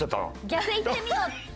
逆いってみようって。